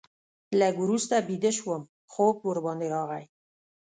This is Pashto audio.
لږ وروسته بیده شوم، خوب ورباندې راغی.